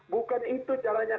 bukan itu caranya